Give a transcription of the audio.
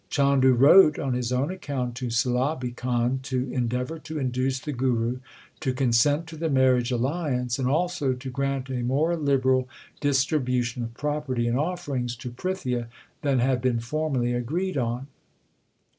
Chandu wrote on his own account to Sulabi Khan to endeavour to induce the Guru to consent to the marriage alliance, and also to grant a more liberal distribution of property and offerings to Prithia than had been formerly agreed on.